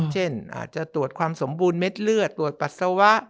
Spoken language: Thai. เช่นอาจจะตรวจความสมบูรณเม็ดเลือดตรวจปัสสาวะ